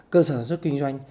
cơ sở sản xuất kinh doanh